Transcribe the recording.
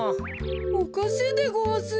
おかしいでごわす。